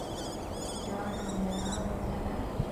一九二九年二月再版。